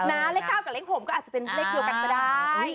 เลข๙กับเลข๖ก็อาจจะเป็นเลขเดียวกันก็ได้